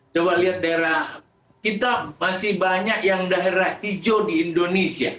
coba lihat daerah kita masih banyak yang daerah hijau di indonesia